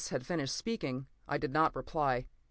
had finished speaking, I did not reply.